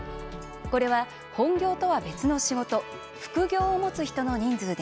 これは本業とは別の仕事副業をもつ人の人数です。